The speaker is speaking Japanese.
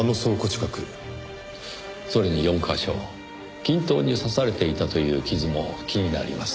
それに４カ所均等に刺されていたという傷も気になります。